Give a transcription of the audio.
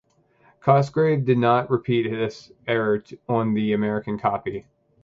Cosgrave did not repeat this error on the American copy.